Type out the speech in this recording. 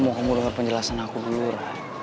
aku mau kamu denger penjelasan aku dulu ray